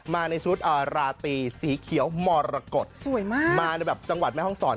มาในชุดราตรีสีเขียวมรกฏสวยมากมาในแบบจังหวัดแม่ห้องศร